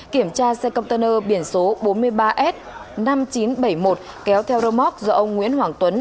kiểm tra xe container biển số bốn mươi ba s năm nghìn chín trăm bảy mươi một kéo theo rơ móc do ông nguyễn hoàng tuấn